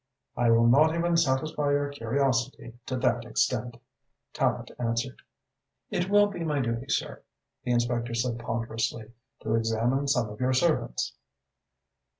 "I will not even satisfy your curiosity to that extent," Tallente answered. "It will be my duty, sir," the inspector said ponderously, "to examine some of your servants."